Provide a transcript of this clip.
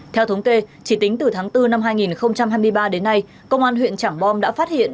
theo thống kê chỉ tính từ tháng bốn năm hai nghìn hai mươi ba đến nay công an huyện trảng bom đã phát hiện